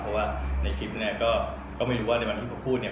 เพราะว่าในคลิปเนี่ยก็ไม่รู้ว่าในวันที่ผมพูดเนี่ย